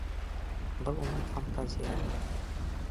Был уның фантазияһы.